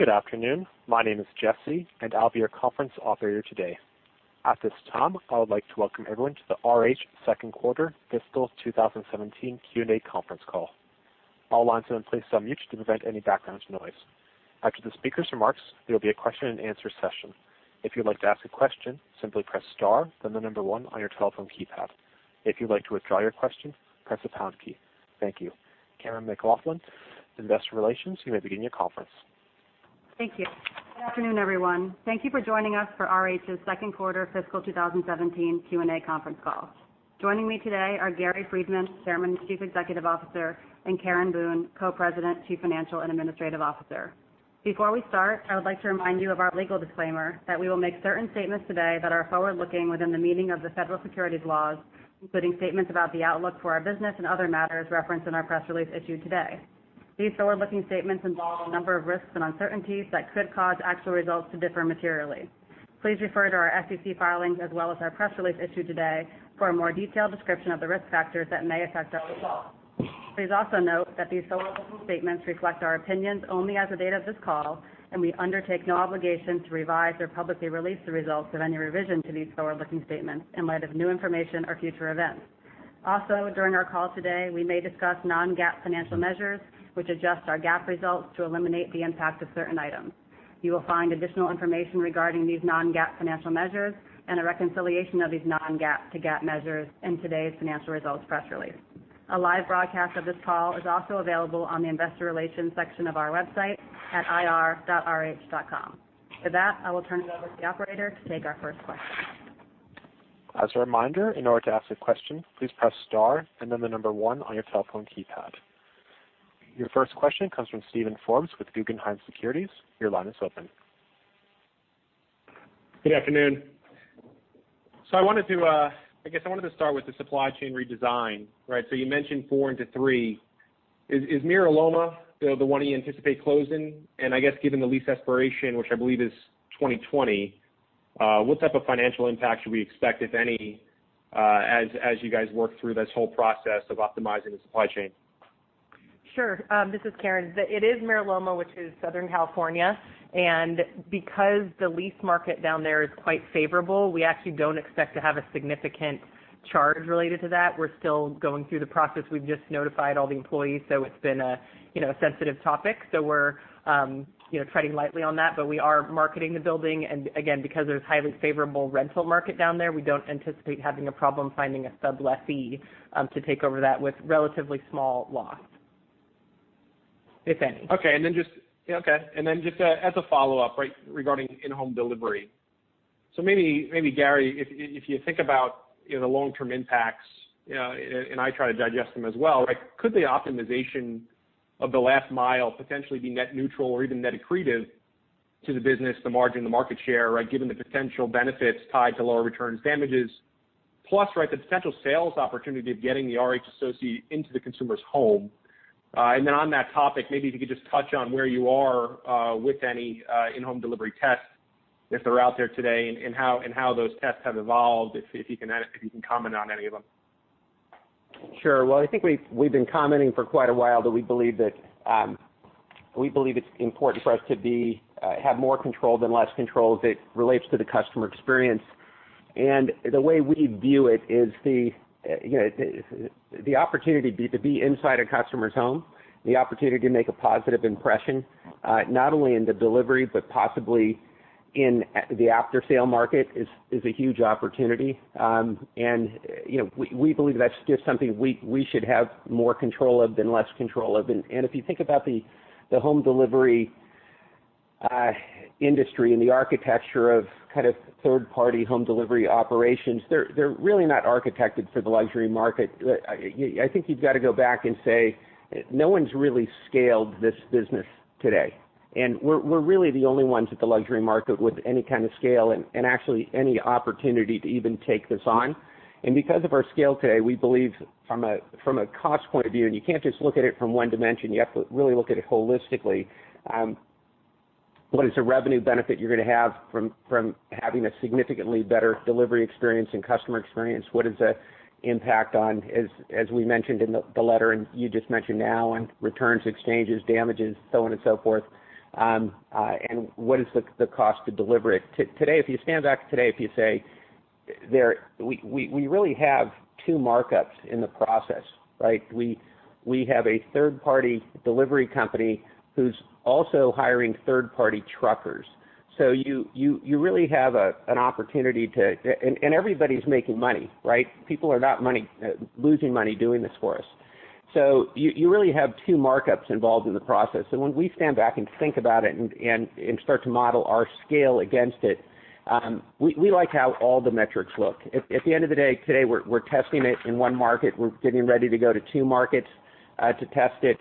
Good afternoon. My name is Jesse, and I'll be your conference operator today. At this time, I would like to welcome everyone to the RH second quarter fiscal 2017 Q&A conference call. All lines have been placed on mute to prevent any background noise. After the speakers' remarks, there will be a question and answer session. If you'd like to ask a question, simply press star, then one on your telephone keypad. If you'd like to withdraw your question, press the pound key. Thank you. Cammeron McLaughlin, Investor Relations, you may begin your conference. Thank you. Good afternoon, everyone. Thank you for joining us for RH's second quarter fiscal 2017 Q&A conference call. Joining me today are Gary Friedman, Chairman and Chief Executive Officer, and Karen Boone, Co-President, Chief Financial and Administrative Officer. Before we start, I would like to remind you of our legal disclaimer that we will make certain statements today that are forward-looking within the meaning of the federal securities laws, including statements about the outlook for our business and other matters referenced in our press release issued today. These forward-looking statements involve a number of risks and uncertainties that could cause actual results to differ materially. Please refer to our SEC filings as well as our press release issued today for a more detailed description of the risk factors that may affect our results. Please also note that these forward-looking statements reflect our opinions only as of the date of this call. We undertake no obligation to revise or publicly release the results of any revision to these forward-looking statements in light of new information or future events. Also, during our call today, we may discuss non-GAAP financial measures, which adjust our GAAP results to eliminate the impact of certain items. You will find additional information regarding these non-GAAP financial measures and a reconciliation of these non-GAAP to GAAP measures in today's financial results press release. A live broadcast of this call is also available on the investor relations section of our website at ir.rh.com. With that, I will turn it over to the operator to take our first question. As a reminder, in order to ask a question, please press star and 1 on your telephone keypad. Your first question comes from Steven Forbes with Guggenheim Securities. Your line is open. Good afternoon. I wanted to start with the supply chain redesign. You mentioned four into three. Is Mira Loma the one you anticipate closing? Given the lease expiration, which I believe is 2020, what type of financial impact should we expect, if any, as you guys work through this whole process of optimizing the supply chain? Sure. This is Karen. It is Mira Loma, which is Southern California, because the lease market down there is quite favorable, we actually don't expect to have a significant charge related to that. We're still going through the process. We've just notified all the employees, it's been a sensitive topic. We're treading lightly on that, but we are marketing the building. Again, because there's highly favorable rental market down there, we don't anticipate having a problem finding a sublessee to take over that with relatively small loss, if any. Okay. Just as a follow-up regarding in-home delivery. Maybe, Gary, if you think about the long-term impacts, I try to digest them as well, could the optimization of the last mile potentially be net neutral or even net accretive to the business, the margin, the market share, given the potential benefits tied to lower returns, damages, plus the potential sales opportunity of getting the RH associate into the consumer's home. On that topic, maybe if you could just touch on where you are with any in-home delivery tests, if they're out there today, and how those tests have evolved, if you can comment on any of them. Sure. I think we've been commenting for quite a while that we believe it's important for us to have more control than less control as it relates to the customer experience. The way we view it is the opportunity to be inside a customer's home, the opportunity to make a positive impression, not only in the delivery, but possibly in the after-sale market, is a huge opportunity. We believe that's just something we should have more control of than less control of. If you think about the home delivery industry and the architecture of third-party home delivery operations, they're really not architected for the luxury market. I think you've got to go back and say, no one's really scaled this business today. We're really the only ones at the luxury market with any kind of scale and actually any opportunity to even take this on. Because of our scale today, we believe from a cost point of view, and you can't just look at it from one dimension, you have to really look at it holistically. What is the revenue benefit you're going to have from having a significantly better delivery experience and customer experience? What is the impact on, as we mentioned in the letter and you just mentioned now, on returns, exchanges, damages, so on and so forth? What is the cost to deliver it? Today, if you stand back, we really have two markups in the process. We have a third-party delivery company who's also hiring third-party truckers. You really have an opportunity to and everybody's making money. People are not losing money doing this for us. You really have two markups involved in the process. When we stand back and think about it and start to model our scale against it, we like how all the metrics look. At the end of the day, we're testing it in one market. We're getting ready to go to two markets to test it.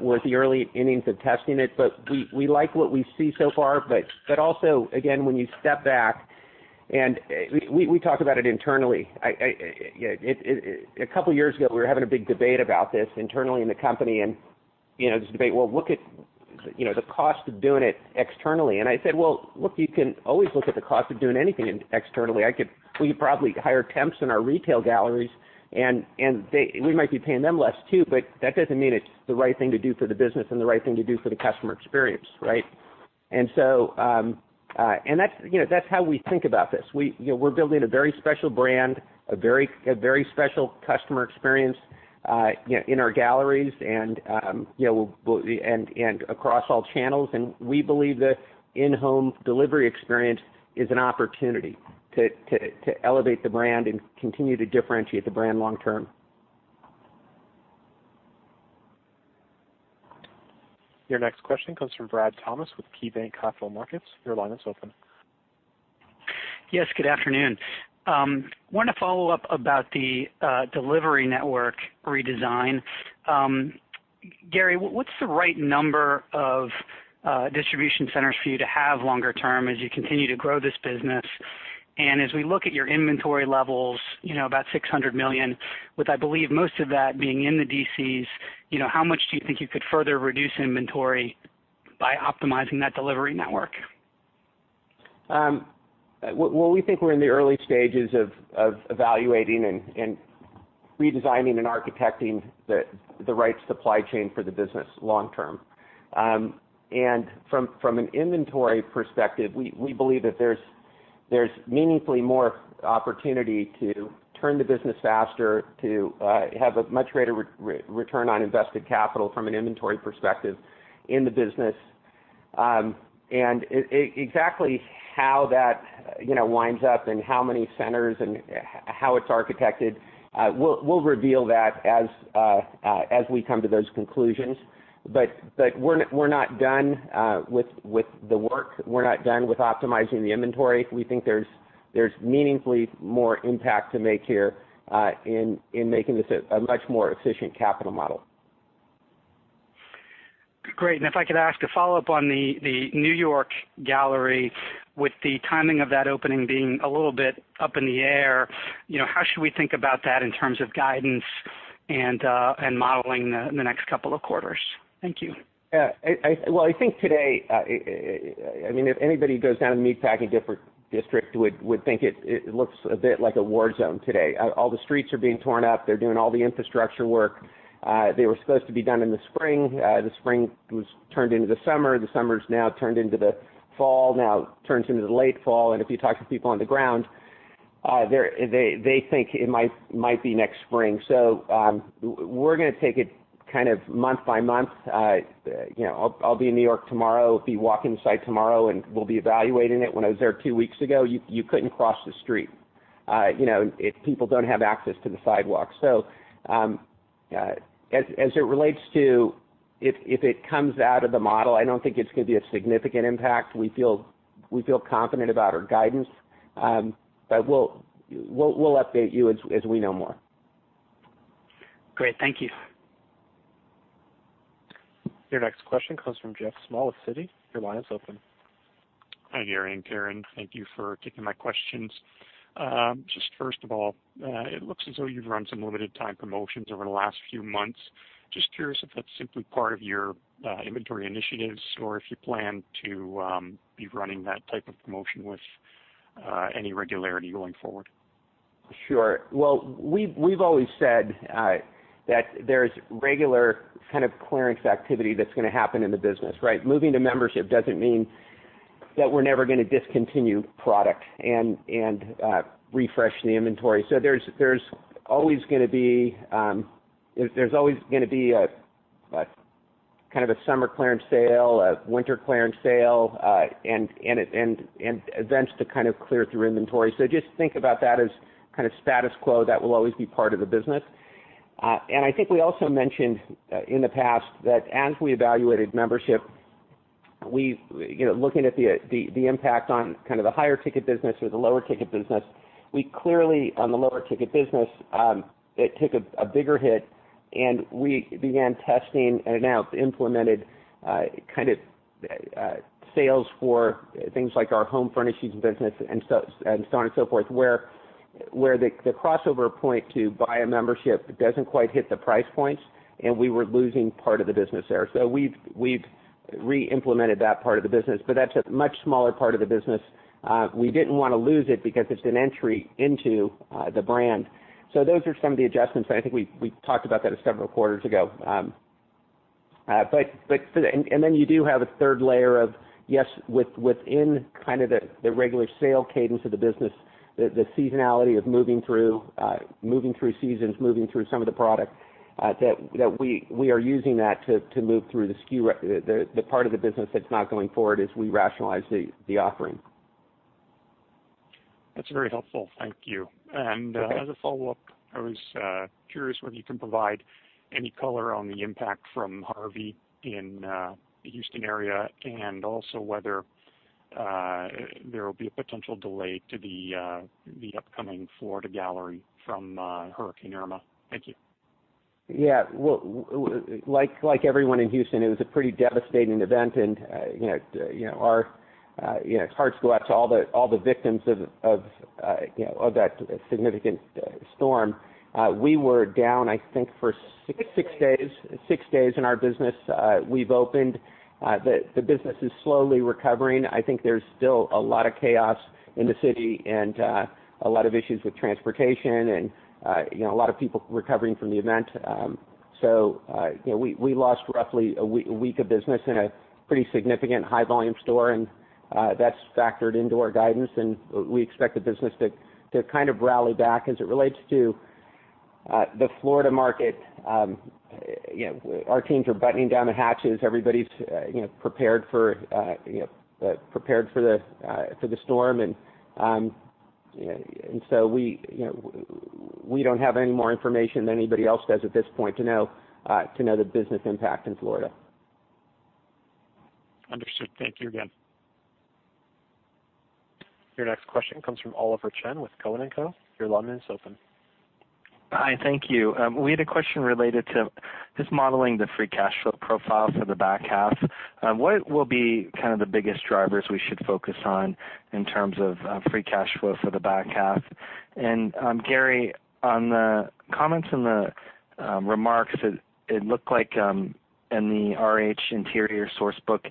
We're at the early innings of testing it, but we like what we see so far. Also, again, when you step back and we talk about it internally. A couple of years ago, we were having a big debate about this internally in the company and this debate, well, look at the cost of doing it externally. I said, "Well, look, you can always look at the cost of doing anything externally. We could probably hire temps in our retail galleries, and we might be paying them less, too, but that doesn't mean it's the right thing to do for the business and the right thing to do for the customer experience." That's how we think about this. We're building a very special brand, a very special customer experience in our galleries and across all channels. We believe the in-home delivery experience is an opportunity to elevate the brand and continue to differentiate the brand long term. Your next question comes from Brad Thomas with KeyBanc Capital Markets. Your line is open. Yes, good afternoon. Wanted to follow up about the delivery network redesign. Gary, what's the right number of distribution centers for you to have longer term as you continue to grow this business? As we look at your inventory levels, about $600 million, with I believe most of that being in the DCs, how much do you think you could further reduce inventory by optimizing that delivery network? Well, we think we're in the early stages of evaluating and redesigning and architecting the right supply chain for the business long term. From an inventory perspective, we believe that there's meaningfully more opportunity to turn the business faster, to have a much greater return on invested capital from an inventory perspective in the business. Exactly how that winds up and how many centers and how it's architected, we'll reveal that as we come to those conclusions. We're not done with the work. We're not done with optimizing the inventory. We think there's meaningfully more impact to make here in making this a much more efficient capital model. Great. If I could ask a follow-up on the New York gallery, with the timing of that opening being a little bit up in the air, how should we think about that in terms of guidance and modeling the next couple of quarters? Thank you. Yeah. Well, I think today, if anybody goes down to Meatpacking District would think it looks a bit like a war zone today. All the streets are being torn up. They're doing all the infrastructure work. They were supposed to be done in the spring. The spring was turned into the summer. The summer's now turned into the fall, now turns into the late fall. If you talk to people on the ground, they think it might be next spring. We're going to take it month by month. I'll be in New York tomorrow, be walking the site tomorrow, and we'll be evaluating it. When I was there two weeks ago, you couldn't cross the street. People don't have access to the sidewalks. As it relates to if it comes out of the model, I don't think it's going to be a significant impact. We feel confident about our guidance. We'll update you as we know more. Great. Thank you. Your next question comes from Jeff Smoll with Citi. Your line is open. Hi, Gary and Karen. Thank you for taking my questions. First of all, it looks as though you've run some limited time promotions over the last few months. Curious if that's simply part of your inventory initiatives or if you plan to be running that type of promotion with any regularity going forward. Sure. Well, we've always said that there's regular kind of clearance activity that's going to happen in the business, right? Moving to membership doesn't mean that we're never going to discontinue product and refresh the inventory. There's always going to be a kind of a summer clearance sale, a winter clearance sale, and events to kind of clear through inventory. Just think about that as kind of status quo. That will always be part of the business. I think we also mentioned in the past that as we evaluated membership, looking at the impact on kind of the higher ticket business or the lower ticket business, we clearly, on the lower ticket business, it took a bigger hit, and we began testing and now it's implemented kind of sales for things like our home furnishings business and so on and so forth, where the crossover point to buy a membership doesn't quite hit the price points, and we were losing part of the business there. We've reimplemented that part of the business, but that's a much smaller part of the business. We didn't want to lose it because it's an entry into the brand. Those are some of the adjustments, and I think we talked about that several quarters ago. You do have a third layer of, yes, within kind of the regular sale cadence of the business, the seasonality of moving through seasons, moving through some of the product, that we are using that to move through the part of the business that's not going forward as we rationalize the offering. That's very helpful. Thank you. As a follow-up, I was curious whether you can provide any color on the impact from Harvey in the Houston area and also whether there will be a potential delay to the upcoming Florida gallery from Hurricane Irma. Thank you. Yeah. Well, like everyone in Houston, it was a pretty devastating event, and our hearts go out to all the victims of that significant storm. We were down, I think for six days in our business. We've opened. The business is slowly recovering. I think there's still a lot of chaos in the city and a lot of issues with transportation and a lot of people recovering from the event. We lost roughly a week of business in a pretty significant high volume store. That's factored into our guidance, and we expect the business to kind of rally back. As it relates to the Florida market, our teams are battening down the hatches. Everybody's prepared for the storm. We don't have any more information than anybody else does at this point to know the business impact in Florida. Understood. Thank you again. Your next question comes from Oliver Chen with Cowen and Company. Your line is open. Hi. Thank you. We had a question related to just modeling the free cash flow profile for the back half. What will be kind of the biggest drivers we should focus on in terms of free cash flow for the back half? Gary, on the comments in the remarks, it looked like in the RH Interiors source book,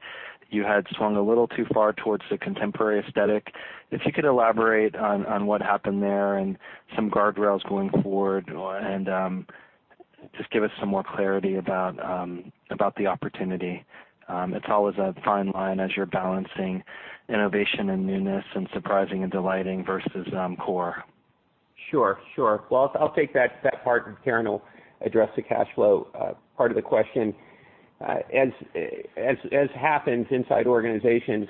you had swung a little too far towards the contemporary aesthetic. If you could elaborate on what happened there and some guardrails going forward, and just give us some more clarity about the opportunity. It's always a fine line as you're balancing innovation and newness and surprising and delighting versus core. Sure. Well, I'll take that part, and Karen will address the cash flow part of the question. As happens inside organizations,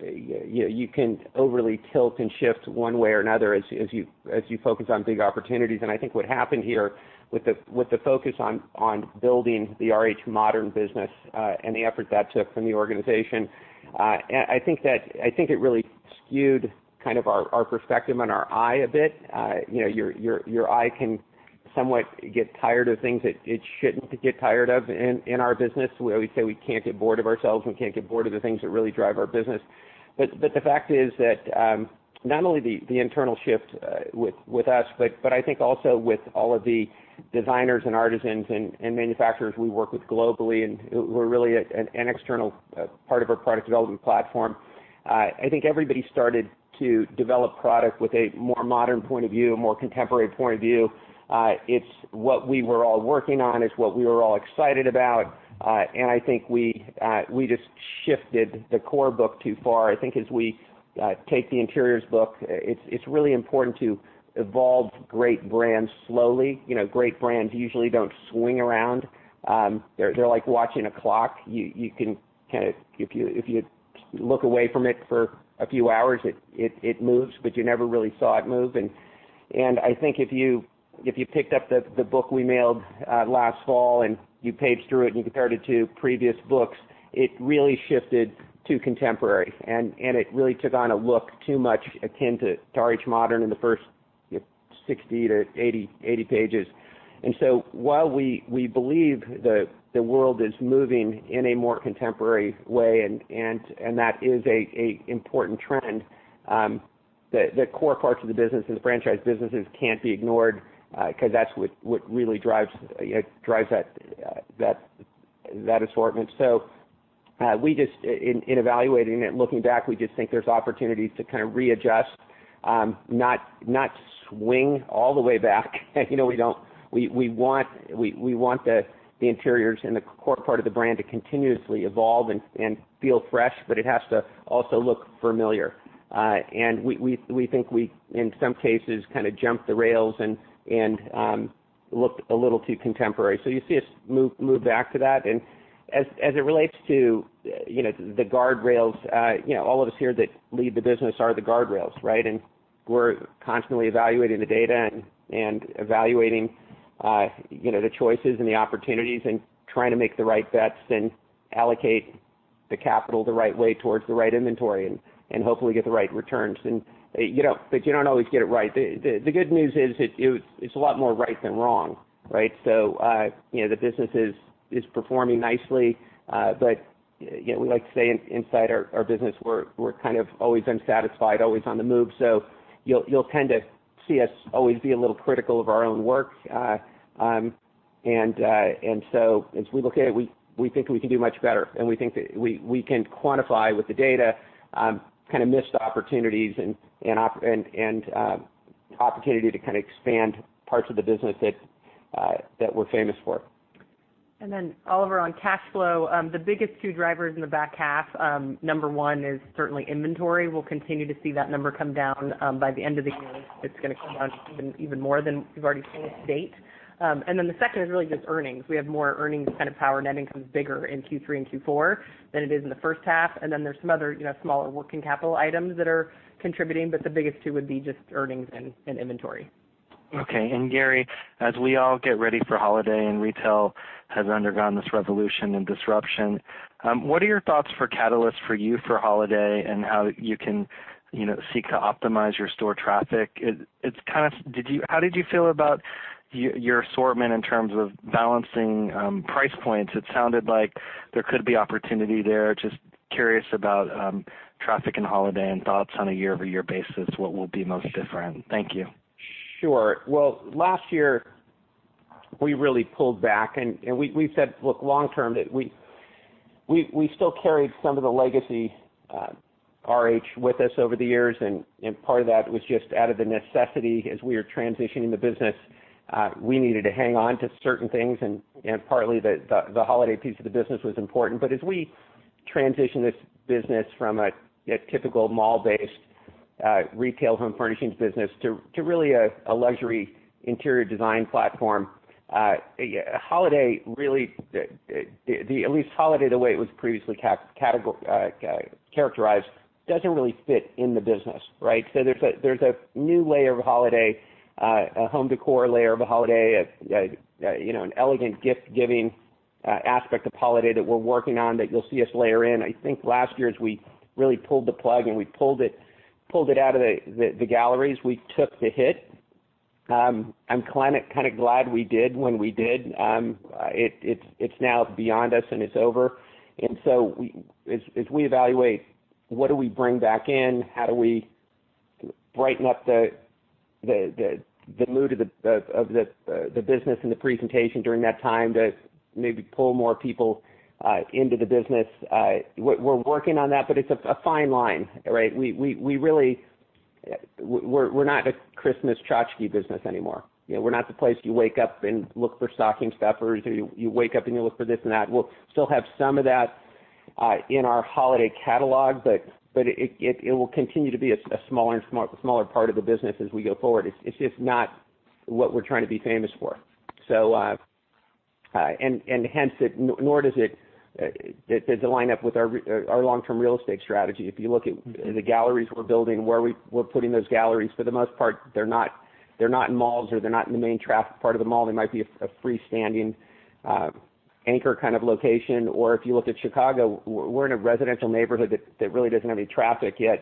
you can overly tilt and shift one way or another as you focus on big opportunities. I think what happened here with the focus on building the RH Modern business, and the effort that took from the organization, I think it really skewed kind of our perspective and our eye a bit. Your eye can somewhat get tired of things that it shouldn't get tired of in our business. We always say we can't get bored of ourselves. We can't get bored of the things that really drive our business. The fact is that, not only the internal shift with us, but I think also with all of the designers and artisans and manufacturers we work with globally, and who are really an external part of our product development platform. I think everybody started to develop product with a more modern point of view, a more contemporary point of view. It's what we were all working on. It's what we were all excited about. I think we just shifted the core book too far. I think as we take the interiors book, it's really important to evolve great brands slowly. Great brands usually don't swing around. They're like watching a clock. If you look away from it for a few hours, it moves, but you never really saw it move. I think if you picked up the book we mailed last fall, and you paged through it and you compared it to previous books, it really shifted to contemporary, and it really took on a look too much akin to RH Modern in the first 60 to 80 pages. While we believe the world is moving in a more contemporary way, and that is an important trend, the core parts of the business and the franchise businesses can't be ignored, because that's what really drives that assortment. In evaluating it, looking back, we just think there's opportunities to kind of readjust, not swing all the way back. We want the interiors and the core part of the brand to continuously evolve and feel fresh, but it has to also look familiar. We think we, in some cases, kind of jumped the rails and looked a little too contemporary. You see us move back to that. As it relates to the guardrails, all of us here that lead the business are the guardrails, right? We're constantly evaluating the data and evaluating the choices and the opportunities and trying to make the right bets and allocate the capital the right way towards the right inventory and hopefully get the right returns. You don't always get it right. The good news is it's a lot more right than wrong, right? The business is performing nicely. We like to say inside our business, we're kind of always unsatisfied, always on the move. You'll tend to see us always be a little critical of our own work. As we look at it, we think we can do much better, and we think that we can quantify with the data missed opportunities and opportunity to expand parts of the business that we're famous for. Oliver, on cash flow, the biggest two drivers in the back half, number one is certainly inventory. We'll continue to see that number come down by the end of the year. It's going to come down even more than we've already seen to date. The second is really just earnings. We have more earnings kind of power. Net income's bigger in Q3 and Q4 than it is in the first half. There's some other smaller working capital items that are contributing. The biggest two would be just earnings and inventory. Okay. Gary, as we all get ready for holiday and retail has undergone this revolution and disruption, what are your thoughts for catalysts for you for holiday and how you can seek to optimize your store traffic? How did you feel about your assortment in terms of balancing price points? It sounded like there could be opportunity there. Just curious about traffic and holiday and thoughts on a year-over-year basis, what will be most different? Thank you. Sure. Well, last year, we really pulled back, and we said, look, long term, we still carried some of the legacy RH with us over the years, and part of that was just out of the necessity as we are transitioning the business. We needed to hang on to certain things, and partly the holiday piece of the business was important. As we transition this business from a typical mall-based retail home furnishings business to really a luxury interior design platform, holiday, at least holiday the way it was previously characterized, doesn't really fit in the business, right? There's a new layer of holiday, a home decor layer of a holiday, an elegant gift-giving aspect of holiday that we're working on that you'll see us layer in. I think last year, as we really pulled the plug and we pulled it out of the galleries, we took the hit. I'm kind of glad we did when we did. It's now beyond us, and it's over. As we evaluate what do we bring back in, how do we brighten up the mood of the business and the presentation during that time to maybe pull more people into the business, we're working on that, but it's a fine line, right? We're not a Christmas tchotchke business anymore. We're not the place you wake up and look for stocking stuffers, or you wake up and you look for this and that. We'll still have some of that in our holiday catalog, but it will continue to be a smaller part of the business as we go forward. It's just not what we're trying to be famous for. Hence, nor does it line up with our long-term real estate strategy. If you look at the galleries we're building, where we're putting those galleries, for the most part, they're not in malls or they're not in the main traffic part of the mall. They might be a freestanding anchor kind of location, or if you looked at Chicago, we're in a residential neighborhood that really doesn't have any traffic, yet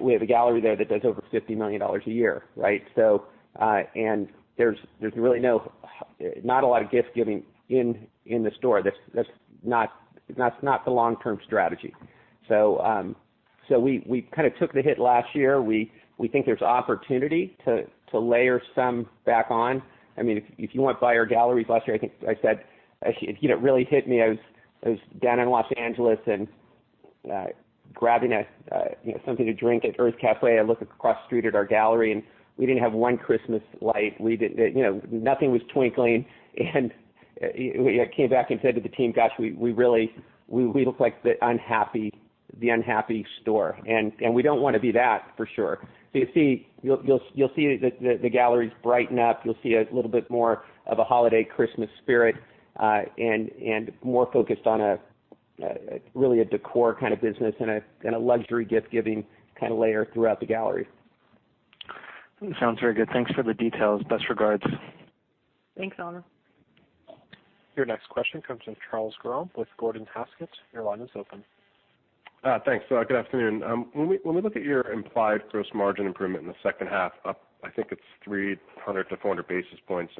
we have a gallery there that does over $50 million a year, right? There's really not a lot of gift giving in the store. That's not the long-term strategy. We kind of took the hit last year. We think there's opportunity to layer some back on. If you went by our galleries last year, I think I said it really hit me. I was down in L.A. and grabbing something to drink at Urth Caffé. I look across the street at our gallery, and we didn't have one Christmas light. Nothing was twinkling, and I came back and said to the team, "Gosh, we look like the unhappy store." We don't want to be that, for sure. You'll see the galleries brighten up. You'll see a little bit more of a holiday Christmas spirit, and more focused on really a decor kind of business and a luxury gift-giving kind of layer throughout the gallery. Sounds very good. Thanks for the details. Best regards. Thanks, Oliver. Your next question comes from Charles Grom with Gordon Haskett. Your line is open. Thanks. Good afternoon. When we look at your implied gross margin improvement in the second half, up, I think it's 300 to 400 basis points,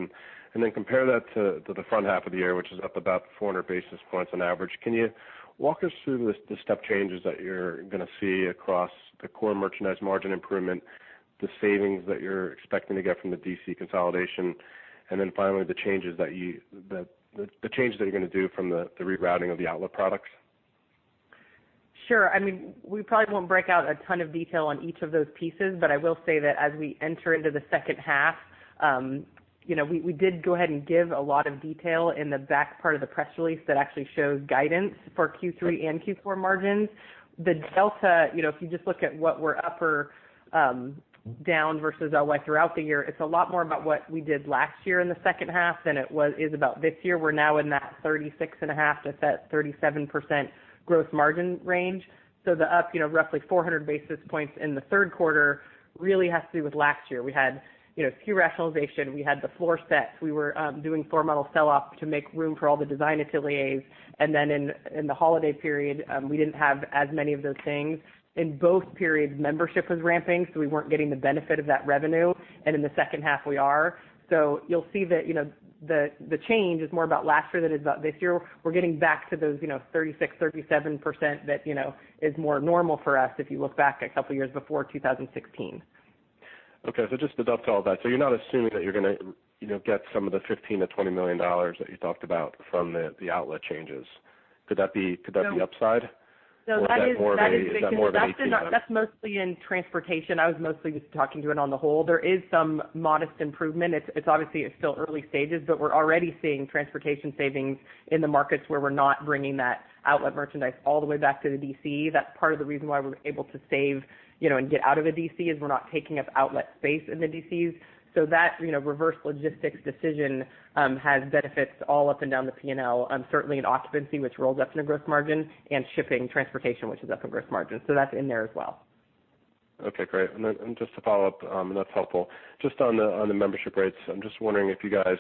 compare that to the front half of the year, which is up about 400 basis points on average, can you walk us through the step changes that you're going to see across the core merchandise margin improvement, the savings that you're expecting to get from the DC consolidation, and finally, the changes that you're going to do from the rerouting of the outlet products? Sure. We probably won't break out a ton of detail on each of those pieces, but I will say that as we enter into the second half, we did go ahead and give a lot of detail in the back part of the press release that actually shows guidance for Q3 and Q4 margins. The delta, if you just look at what we're up or down versus LY throughout the year, it's a lot more about what we did last year in the second half than it is about this year. We're now in that 36 and a half to 37% gross margin range. The up roughly 400 basis points in the third quarter really has to do with last year. We had SKU rationalization. We had the floor sets. We were doing floor model sell-off to make room for all the design ateliers. In the holiday period, we didn't have as many of those things. In both periods, membership was ramping, we weren't getting the benefit of that revenue, and in the second half, we are. You'll see that the change is more about last year than it is about this year. We're getting back to those 36%-37% that is more normal for us if you look back a couple of years before 2016. Just to dovetail that, you're not assuming that you're going to get some of the $15 million-$20 million that you talked about from the outlet changes. Could that be upside? No. Is that more of a- That's mostly in transportation. I was mostly just talking to it on the whole. There is some modest improvement. Obviously, it's still early stages, but we're already seeing transportation savings in the markets where we're not bringing that outlet merchandise all the way back to the DC. That's part of the reason why we're able to save and get out of a DC, is we're not taking up outlet space in the DCs. That reverse logistics decision has benefits all up and down the P&L, certainly in occupancy, which rolls up into gross margin, and shipping, transportation, which is up in gross margin. That's in there as well. Okay, great. Just to follow up, that's helpful. Just on the membership rates, I'm just wondering if you guys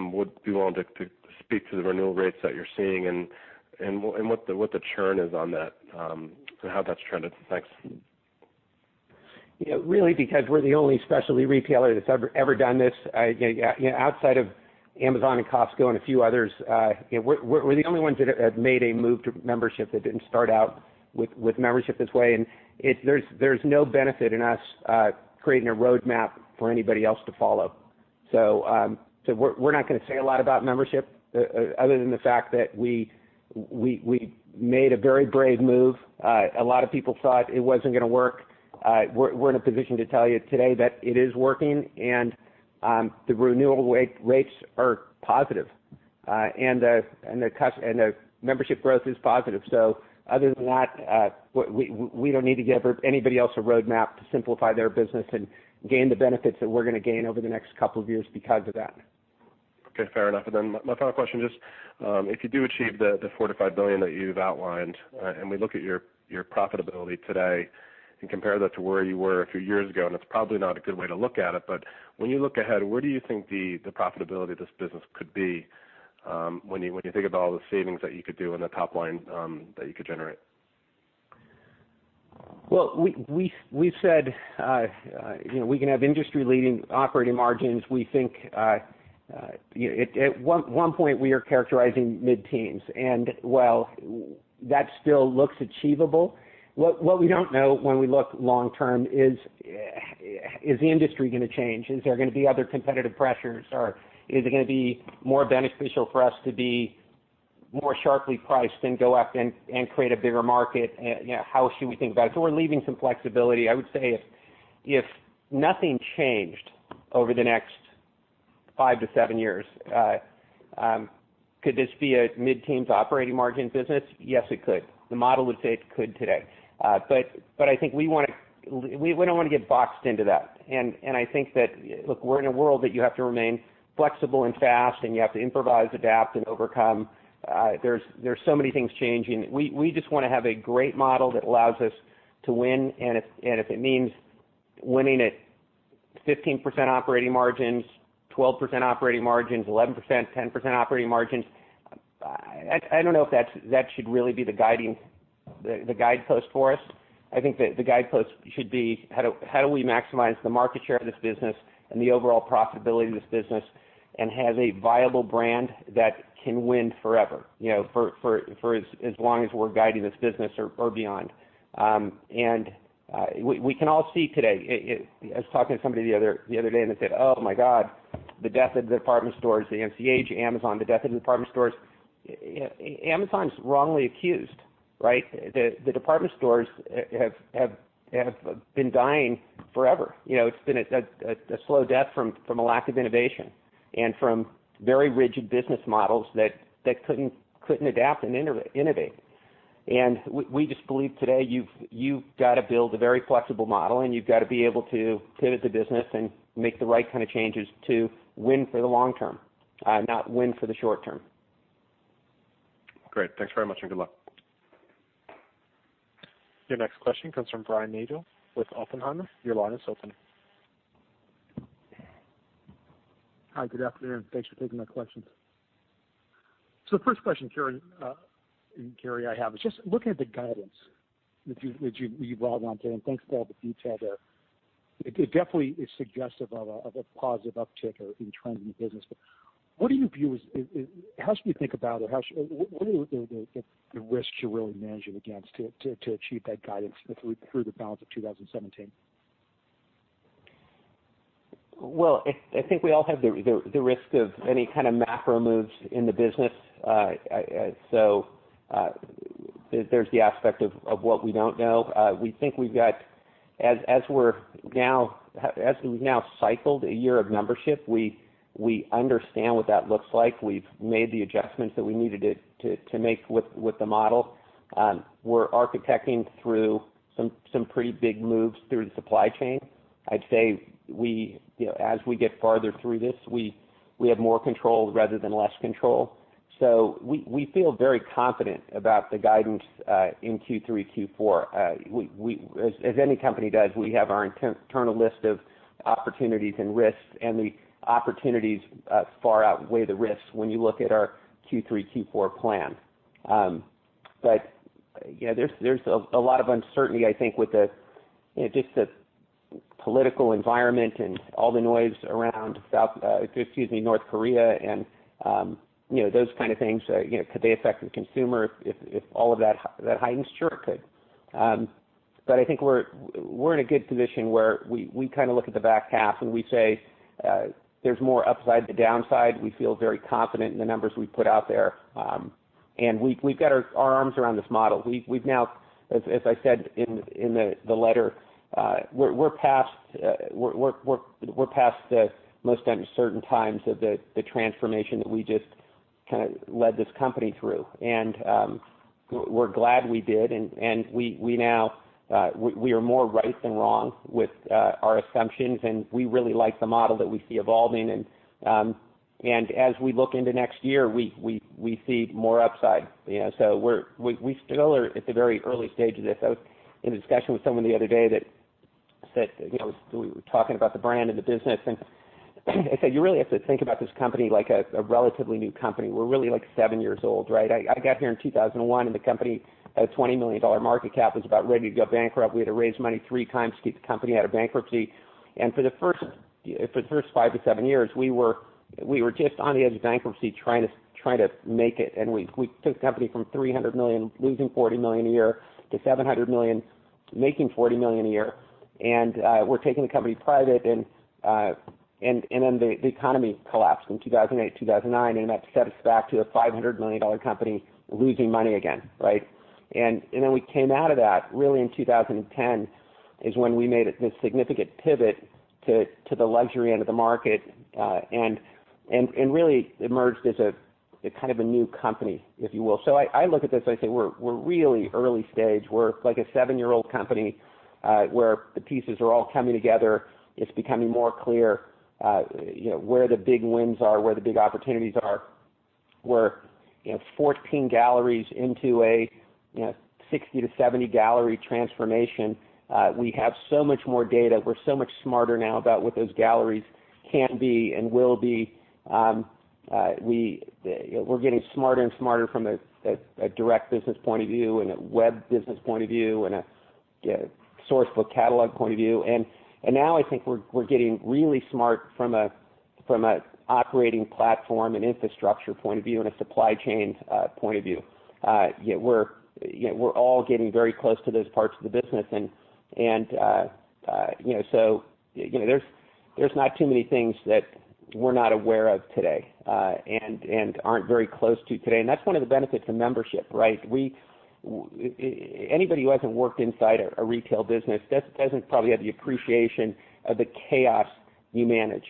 would be willing to speak to the renewal rates that you're seeing and what the churn is on that and how that's trended. Thanks. Really, because we're the only specialty retailer that's ever done this, outside of Amazon and Costco and a few others, we're the only ones that have made a move to membership that didn't start out with membership this way, and there's no benefit in us creating a roadmap for anybody else to follow. We're not going to say a lot about membership other than the fact that we made a very brave move. A lot of people thought it wasn't going to work. We're in a position to tell you today that it is working, and the renewal rates are positive. The membership growth is positive. Other than that, we don't need to give anybody else a roadmap to simplify their business and gain the benefits that we're going to gain over the next couple of years because of that. Okay. Fair enough. Then my final question, just if you do achieve the $4 billion-$5 billion that you've outlined, and we look at your profitability today and compare that to where you were a few years ago, and it's probably not a good way to look at it, but when you look ahead, where do you think the profitability of this business could be, when you think of all the savings that you could do and the top line that you could generate? Well, we've said we can have industry-leading operating margins. We think at one point we are characterizing mid-teens, and while that still looks achievable, what we don't know when we look long term is the industry going to change? Is there going to be other competitive pressures, or is it going to be more beneficial for us to be more sharply priced than go up and create a bigger market? How should we think about it? We're leaving some flexibility. I would say if nothing changed over the next 5-7 years, could this be a mid-teens operating margin business? Yes, it could. The model would say it could today. I think we don't want to get boxed into that. I think that, look, we're in a world that you have to remain flexible and fast, and you have to improvise, adapt, and overcome. There's so many things changing. We just want to have a great model that allows us to win, and if it means winning at 15% operating margins, 12% operating margins, 11%, 10% operating margins, I don't know if that should really be the guidepost for us. I think that the guidepost should be how do we maximize the market share of this business and the overall profitability of this business, and have a viable brand that can win forever, for as long as we're guiding this business or beyond. We can all see today. I was talking to somebody the other day, and they said, "Oh my God, the death of the department stores, the [NCH], Amazon, the death of the department stores." Amazon's wrongly accused, right? The department stores have been dying forever. It's been a slow death from a lack of innovation and from very rigid business models that couldn't adapt and innovate. We just believe today you've got to build a very flexible model, and you've got to be able to pivot the business and make the right kind of changes to win for the long term, not win for the short term. Great. Thanks very much, and good luck. Your next question comes from Brian Nagel with Oppenheimer. Your line is open. Hi, good afternoon. Thanks for taking my questions. The first question, Karen and Gary, I have is just looking at the guidance that you've rolled on today, and thanks for all the detail there. It definitely is suggestive of a positive uptick or in trending the business. How should we think about it? What are the risks you're really managing against to achieve that guidance through the balance of 2017? Well, I think we all have the risk of any kind of macro moves in the business. There's the aspect of what we don't know. We think we've got, as we've now cycled a year of membership, we understand what that looks like. We've made the adjustments that we needed to make with the model. We're architecting through some pretty big moves through the supply chain. I'd say as we get farther through this, we have more control rather than less control. We feel very confident about the guidance in Q3, Q4. As any company does, we have our internal list of opportunities and risks, and the opportunities far outweigh the risks when you look at our Q3, Q4 plan. There's a lot of uncertainty, I think, with just the political environment and all the noise around North Korea and those kind of things. Could they affect the consumer if all of that heightens? Sure, it could. I think we're in a good position where we look at the back half and we say there's more upside to downside. We feel very confident in the numbers we put out there. We've got our arms around this model. We've now, as I said in the letter, we're past the most uncertain times of the transformation that we just led this company through. We're glad we did, and we are more right than wrong with our assumptions, and we really like the model that we see evolving. As we look into next year, we see more upside. We still are at the very early stage of this. I was in a discussion with someone the other day that said, we were talking about the brand and the business, I said, "You really have to think about this company like a relatively new company." We're really seven years old, right? I got here in 2001, the company had a $20 million market cap, was about ready to go bankrupt. We had to raise money three times to keep the company out of bankruptcy. For the first five to seven years, we were just on the edge of bankruptcy trying to make it. We took the company from $300 million, losing $40 million a year, to $700 million, making $40 million a year. We're taking the company private, the economy collapsed in 2008, 2009, that set us back to a $500 million company losing money again, right? We came out of that. Really in 2010 is when we made this significant pivot to the luxury end of the market, and really emerged as a kind of a new company, if you will. I look at this, I say we're really early stage. We're like a seven-year-old company, where the pieces are all coming together. It's becoming more clear where the big wins are, where the big opportunities are. We're 14 galleries into a 60-70 gallery transformation. We have so much more data. We're so much smarter now about what those galleries can be and will be. We're getting smarter and smarter from a direct business point of view and a web business point of view and a source book catalog point of view. Now I think we're getting really smart from an operating platform and infrastructure point of view and a supply chain point of view. We're all getting very close to those parts of the business. There's not too many things that we're not aware of today, and aren't very close to today. That's one of the benefits of membership, right? Anybody who hasn't worked inside a retail business doesn't probably have the appreciation of the chaos you manage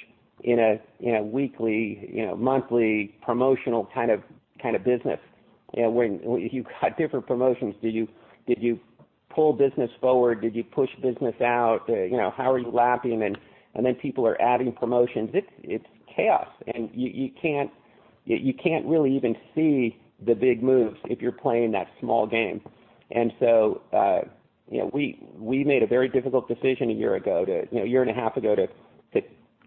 in a weekly, monthly promotional kind of business. When you've got different promotions, did you pull business forward? Did you push business out? How are you lapping? Then people are adding promotions. It's chaos. You can't really even see the big moves if you're playing that small game. We made a very difficult decision a year and a half ago to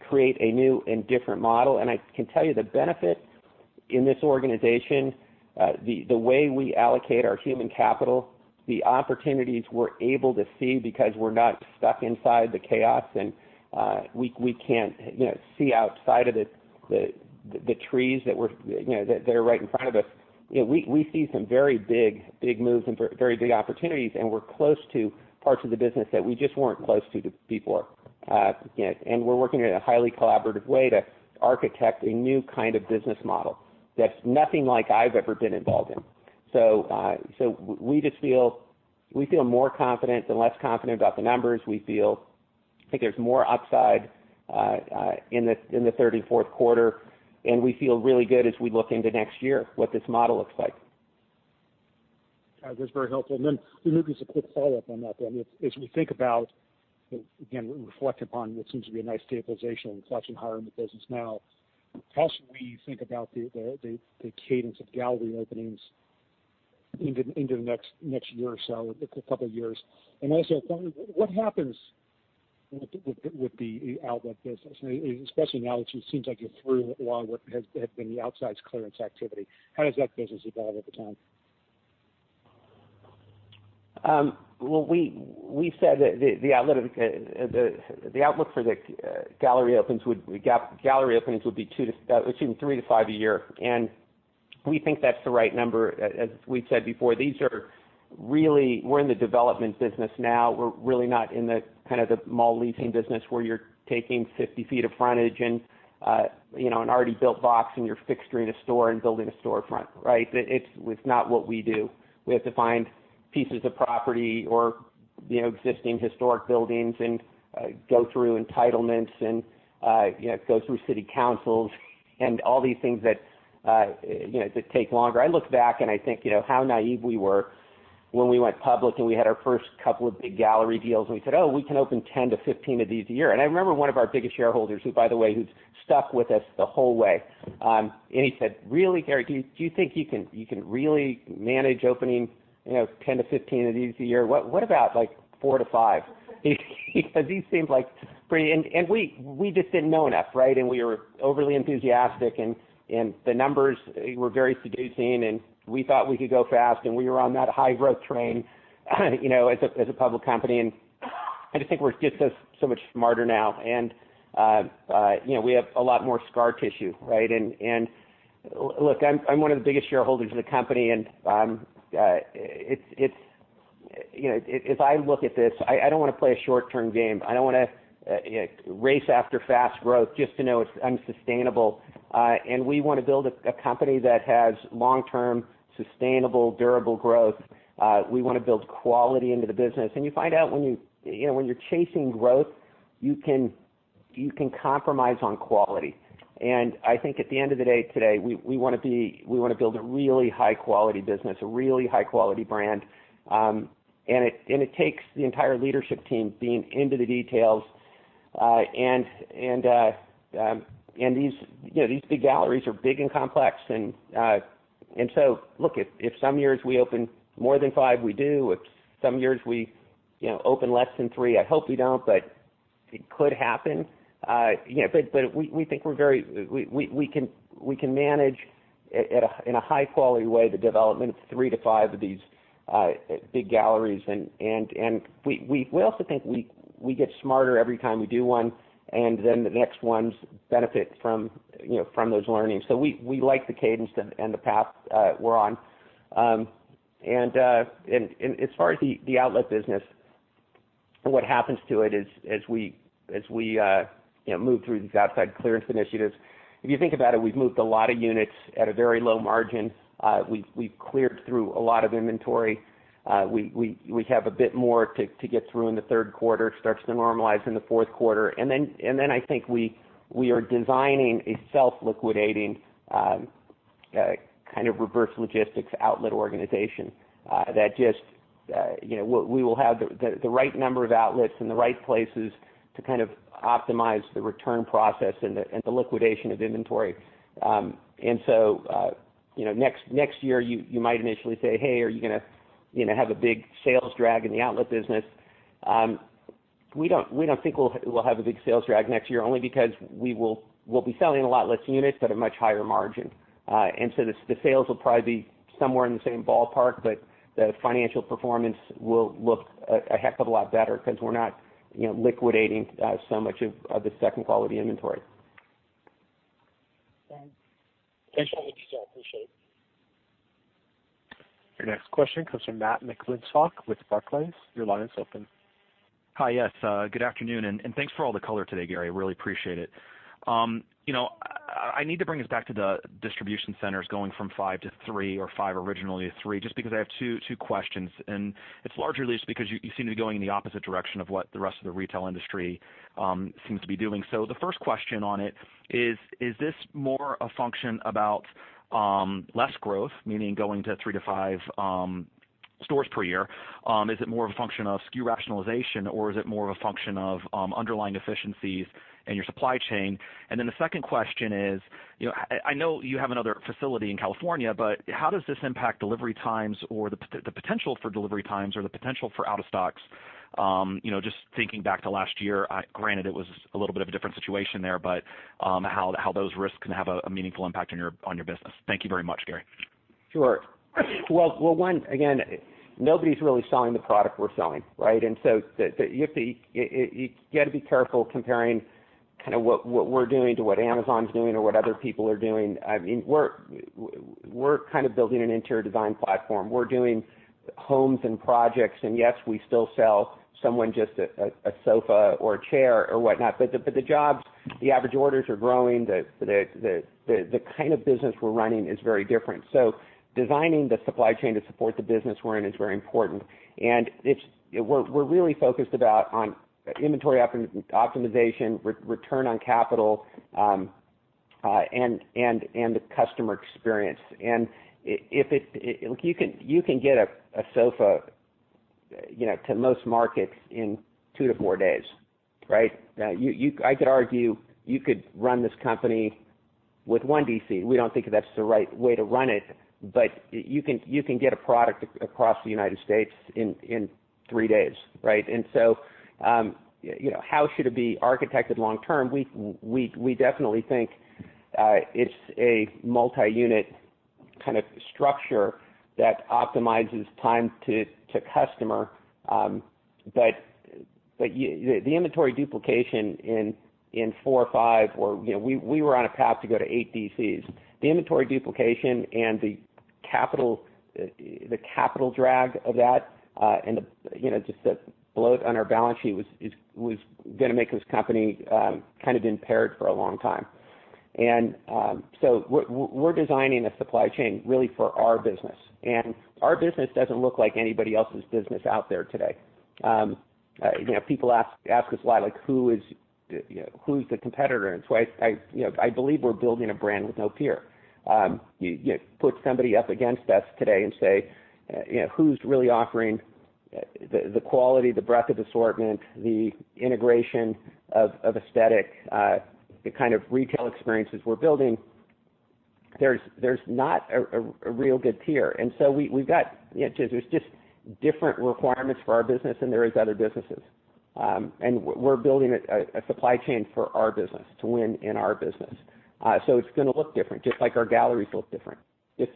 create a new and different model, and I can tell you the benefit in this organization, the way we allocate our human capital, the opportunities we're able to see because we're not stuck inside the chaos and we can see outside of the trees that are right in front of us. We see some very big moves and very big opportunities, and we're close to parts of the business that we just weren't close to before. We're working in a highly collaborative way to architect a new kind of business model that's nothing like I've ever been involved in. We feel more confident than less confident about the numbers. We feel like there's more upside in the third and fourth quarter, and we feel really good as we look into next year, what this model looks like. That was very helpful. Maybe just a quick follow-up on that then. As we think about, again, reflecting upon what seems to be a nice stabilization and collection, higher in the business now, how should we think about the cadence of gallery openings into the next year or so, a couple of years? Also, what happens with the outlet business, especially now that it seems like you're through a lot of what has been the outsize clearance activity. How does that business evolve over time? Well, we said that the outlook for the gallery openings would be 3 to 5 a year. We think that's the right number. As we've said before, we're in the development business now. We're really not in the kind of the mall leasing business where you're taking 50 feet of frontage and an already built box and you're fixturing a store and building a storefront, right? It's not what we do. We have to find pieces of property or existing historic buildings and go through entitlements and go through city councils and all these things that take longer. I look back and I think how naive we were when we went public and we had our first couple of big gallery deals, and we said, "Oh, we can open 10 to 15 of these a year." I remember one of our biggest shareholders, who, by the way, stuck with us the whole way, and he said, "Really, Gary, do you think you can really manage opening 10 to 15 of these a year? What about, like, 4 to 5?" Because these seems like pretty, we just didn't know enough, right? We were overly enthusiastic, and the numbers were very seducing, and we thought we could go fast, and we were on that high growth train as a public company. I just think we're just so much smarter now. We have a lot more scar tissue, right? Look, I'm one of the biggest shareholders of the company, and as I look at this, I don't want to play a short-term game. I don't want to race after fast growth just to know it's unsustainable. We want to build a company that has long-term, sustainable, durable growth. We want to build quality into the business. You find out when you're chasing growth, you can compromise on quality. I think at the end of the day today, we want to build a really high-quality business, a really high-quality brand. It takes the entire leadership team being into the details. These big galleries are big and complex. So look, if some years we open more than 5, we do. If some years we open less than 3, I hope we don't, but it could happen. We think we can manage in a high-quality way the development of three to five of these big galleries. We also think we get smarter every time we do one, and then the next ones benefit from those learnings. We like the cadence and the path we're on. As far as the outlet business, what happens to it is as we move through these outside clearance initiatives. If you think about it, we've moved a lot of units at a very low margin. We've cleared through a lot of inventory. We have a bit more to get through in the third quarter, starts to normalize in the fourth quarter. I think we are designing a self-liquidating kind of reverse logistics outlet organization that just, we will have the right number of outlets in the right places to kind of optimize the return process and the liquidation of inventory. Next year you might initially say, "Hey, are you going to have a big sales drag in the outlet business?" We don't think we'll have a big sales drag next year, only because we'll be selling a lot less units at a much higher margin. The sales will probably be somewhere in the same ballpark, but the financial performance will look a heck of a lot better because we're not liquidating so much of the second-quality inventory. Thanks. Thanks so much, Gary. Appreciate it. Your next question comes from Matt McClintock with Barclays. Your line is open. Hi. Yes. Good afternoon, and thanks for all the color today, Gary. Really appreciate it. I need to bring us back to the distribution centers going from five to three or five originally to three, just because I have two questions. It's largely because you seem to be going in the opposite direction of what the rest of the retail industry seems to be doing. The first question on it is this more a function about less growth, meaning going to three to five stores per year? Is it more of a function of SKU rationalization, or is it more of a function of underlying efficiencies in your supply chain? The second question is, I know you have another facility in California, but how does this impact delivery times or the potential for delivery times or the potential for out-of-stocks? Just thinking back to last year, granted it was a little bit of a different situation there, but how those risks can have a meaningful impact on your business. Thank you very much, Gary. Sure. Well, one, again, nobody's really selling the product we're selling, right? You have to be careful comparing what we're doing to what Amazon's doing or what other people are doing. We're kind of building an interior design platform. We're doing homes and projects, and yes, we still sell someone just a sofa or a chair or whatnot. The jobs, the average orders are growing. The kind of business we're running is very different. Designing the supply chain to support the business we're in is very important. We're really focused about on inventory optimization, return on capital, and the customer experience. You can get a sofa, to most markets in two to four days, right? I could argue you could run this company with one DC. We don't think that's the right way to run it. You can get a product across the United States in three days, right? How should it be architected long term? We definitely think it's a multi-unit kind of structure that optimizes time to customer. The inventory duplication in four or five or We were on a path to go to eight DCs. The inventory duplication and the capital drag of that, and just the bloat on our balance sheet was going to make this company kind of impaired for a long time. We're designing a supply chain really for our business. Our business doesn't look like anybody else's business out there today. People ask us a lot, like, "Who's the competitor?" I believe we're building a brand with no peer. You put somebody up against us today and say who's really offering the quality, the breadth of assortment, the integration of aesthetic, the kind of retail experiences we're building. There's not a real good peer. There's just different requirements for our business than there is other businesses. We're building a supply chain for our business to win in our business. It's going to look different, just like our galleries look different. When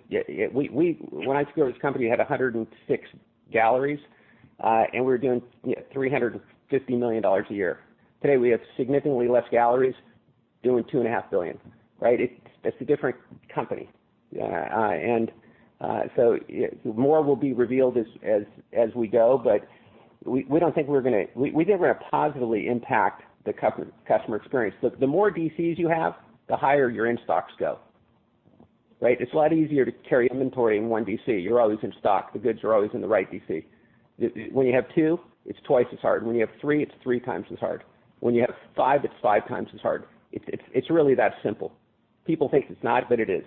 I took over this company, we had 106 galleries, and we were doing $350 million a year. Today, we have significantly less galleries doing $2.5 billion, right? It's a different company. More will be revealed as we go, but we think we're going to positively impact the customer experience. Look, the more DCs you have, the higher your in-stocks go, right? It's a lot easier to carry inventory in one DC. You're always in stock. The goods are always in the right DC. When you have two, it's twice as hard. When you have three, it's three times as hard. When you have five, it's five times as hard. It's really that simple. People think it's not, but it is.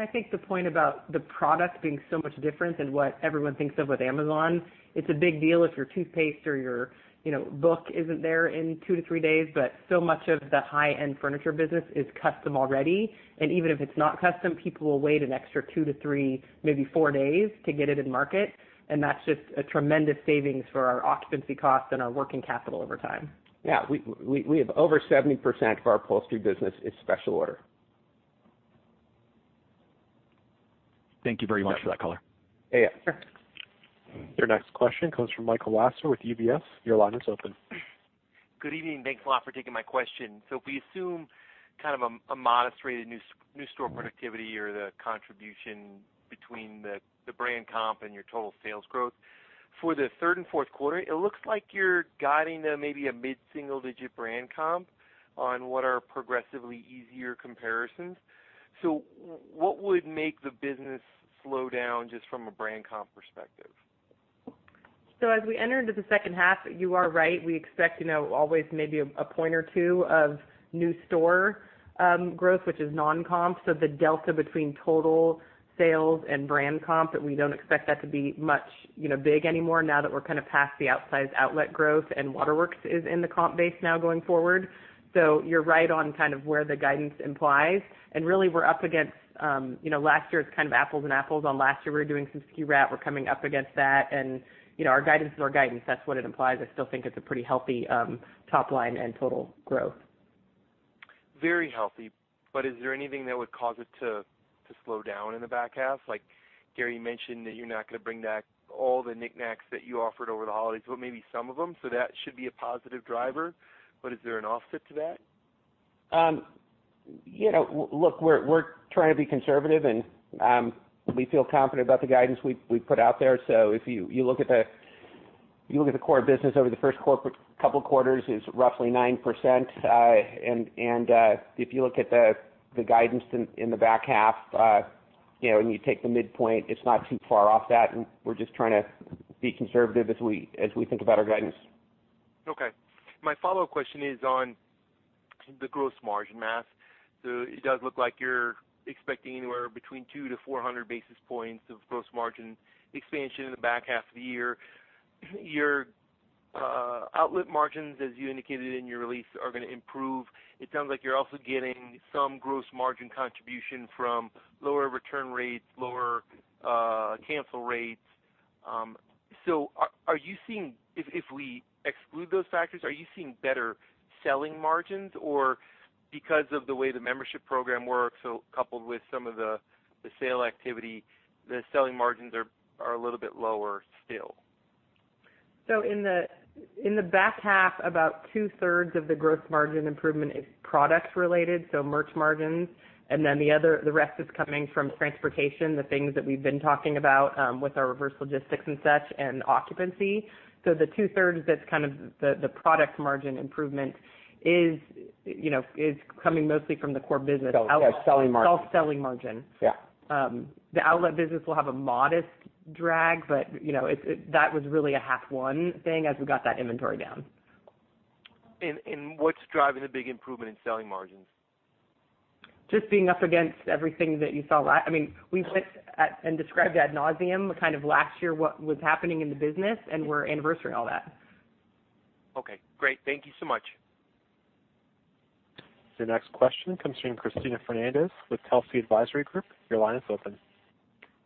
I think the point about the product being so much different than what everyone thinks of with Amazon, it's a big deal if your toothpaste or your book isn't there in two to three days. So much of the high-end furniture business is custom already. Even if it's not custom, people will wait an extra two to three, maybe four days to get it in market. That's just a tremendous savings for our occupancy cost and our working capital over time. Yeah. We have over 70% of our upholstery business is special order. Thank you very much for that color. Yeah, yeah. Sure. Your next question comes from Michael Lasser with UBS. Your line is open. Good evening. Thanks a lot for taking my question. If we assume kind of a modest rate of new store productivity or the contribution between the brand comp and your total sales growth For the third and fourth quarter, it looks like you're guiding maybe a mid-single digit brand comp on what are progressively easier comparisons. What would make the business slow down just from a brand comp perspective? As we enter into the second half, you are right, we expect to know always maybe one or two of new store growth, which is non-comp. The delta between total sales and brand comp, that we don't expect that to be much big anymore now that we're kind of past the outsized outlet growth and Waterworks is in the comp base now going forward. You're right on where the guidance implies. Really, we're up against last year's kind of apples and apples. On last year, we were doing some SKU rat, we're coming up against that. Our guidance is our guidance. That's what it implies. I still think it's a pretty healthy top line and total growth. Very healthy. Is there anything that would cause it to slow down in the back half? Like Gary mentioned that you're not going to bring back all the knick-knacks that you offered over the holidays, but maybe some of them, that should be a positive driver. Is there an offset to that? Look, we're trying to be conservative, we feel confident about the guidance we put out there. If you look at the core business over the first couple quarters is roughly 9%. If you look at the guidance in the back half, you take the midpoint, it's not too far off that, we're just trying to be conservative as we think about our guidance. Okay. My follow-up question is on the gross margin math. It does look like you're expecting anywhere between 2 to 400 basis points of gross margin expansion in the back half of the year. Your outlet margins, as you indicated in your release, are going to improve. It sounds like you're also getting some gross margin contribution from lower return rates, lower cancel rates. If we exclude those factors, are you seeing better selling margins, or because of the way the membership program works, coupled with some of the sale activity, the selling margins are a little bit lower still? In the back half, about two-thirds of the gross margin improvement is products related, so merch margins. The rest is coming from transportation, the things that we've been talking about with our reverse logistics and such, and occupancy. The two-thirds that's kind of the product margin improvement is coming mostly from the core business. Selling margin. Self selling margin. Yeah. The outlet business will have a modest drag, but that was really a half one thing as we got that inventory down. What's driving the big improvement in selling margins? Just being up against everything that you saw. We've looked at and described ad nauseam, kind of last year what was happening in the business and we're anniversarying all that. Okay, great. Thank you so much. The next question comes from Cristina Fernández with Telsey Advisory Group. Your line is open.